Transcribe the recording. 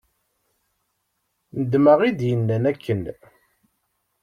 Nedmeɣ i d-yennan akken.